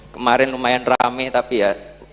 kemarin lumayan rame tapi ya